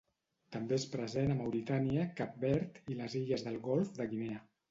També és present a Mauritània, Cap Verd i les illes del Golf de Guinea.